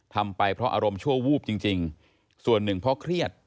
ทำไปเพราะอารมณ์ชั่ววูบจริงส่วนหนึ่งเพราะเครียด